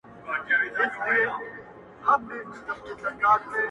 • د کسمیر لوري د کابل او د ګواه لوري.